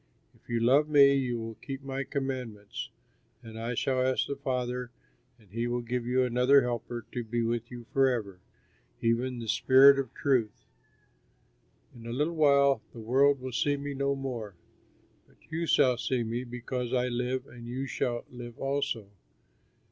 "If you love me you will keep my commands, and I shall ask the Father and he will give you another Helper to be with you forever, even the Spirit of truth. "In a little while the world will see me no more; but you shall see me, because I live and you shall live also.